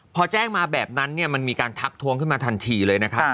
พอแจ้งมาแบบนั้นเนี่ยมันมีการทักทวงขึ้นมาทันทีเลยนะครับ